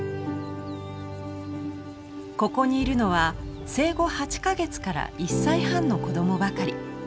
ここにいるのは生後８か月から１歳半の子供ばかり。